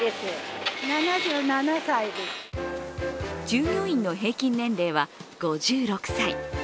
従業員の平均年齢は５６歳。